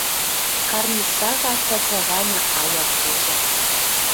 Карниз сага цӓцӓ ганьы аяр кечӓ